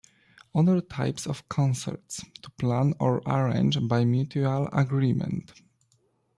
Other Types of concerts, To plan or arrange by mutual agreement.